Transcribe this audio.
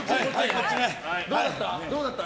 どうだった？